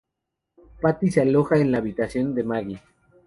Patty se aloja en la habitación de Maggie.